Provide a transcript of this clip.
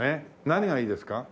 何がいいですか？